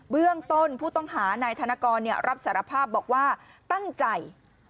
เบื้องต้นผู้ต้องหานายธนกรรับสารภาพบอกว่าตั้งใจ